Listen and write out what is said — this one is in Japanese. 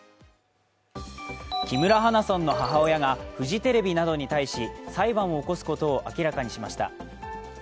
木村花さんの母親がフジテレビなどに対し、裁判を起こすことを明らかにしました。